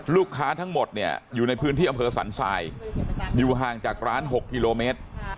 ลูกค้าทั้งหมดเนี่ยอยู่ในพื้นที่อำเภอสรรจ์ไซด์อยู่ห่างจากร้านหกกิโลเมตร